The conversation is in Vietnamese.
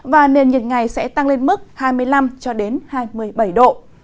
và nền nhiệt ngày sẽ tăng lên mức hai mươi năm cho đến hai mươi bảy độ